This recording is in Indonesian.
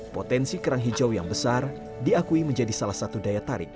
potensi kerang hijau yang besar diakui menjadi salah satu daya tarik